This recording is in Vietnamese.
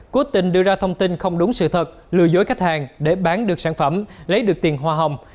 cố tình đưa ra thông tin không đúng sự thật lừa dối khách hàng để bán được sản phẩm lấy được tiền hoa hồng